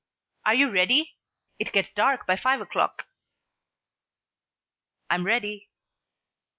Are you ready? It gets dark by five o'clock." "I'm ready."